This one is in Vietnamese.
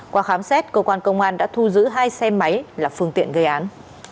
qua khám xét cơ quan công an đã thu giữ hai xe máy là phương tiện gây án